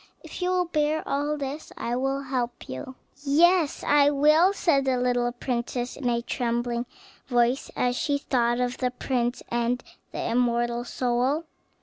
If you will bear all this, I will help you." "Yes, I will," said the little princess in a trembling voice, as she thought of the prince and the immortal soul.